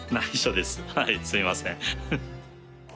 はいすいません。